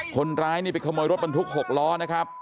คนร้ายนี่ไปขโมยรถบรรทุก๖ล้อนะครับ